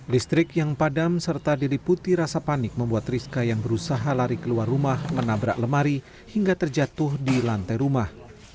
listrik yang padam serta diliputi rasa panik membuat rizka yang berusaha lari keluar rumah menabrak lemari hingga terjatuh di lantai rumah